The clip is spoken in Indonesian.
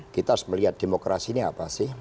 kita harus melihat demokrasi ini apa sih